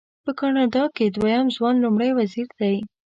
په کاناډا کې دویم ځوان لومړی وزیر دی.